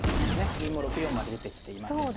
銀も６四まで出てきていますし。